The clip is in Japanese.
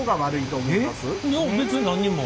いや別に何にも。